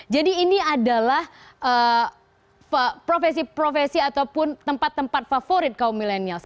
jadi ini adalah profesi profesi ataupun tempat tempat favorit kaum milenials